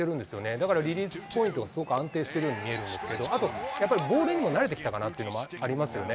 だからリリースポイントがすごく安定しているように見えるんですけど、あと、やっぱりボールにも慣れてきたのかなというのがありますよね。